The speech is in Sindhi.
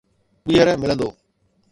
ٻيهر ملندو